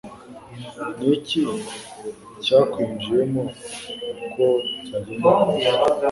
Ni iki cyakwinjiyemo uko byagenda kose?